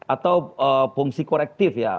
atau fungsi korektif ya